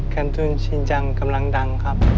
แคลนน์ตู้ชินจังกำลังดังครับ